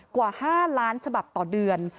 กว่า๕ล้านฉบับต่อเดือน